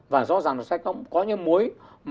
và rõ ràng nó sẽ có những mối